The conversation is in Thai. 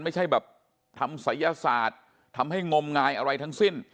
ไม่ใช่แบบทำศัยศาสตร์ทำให้งมงายอะไรทั้งสิ้น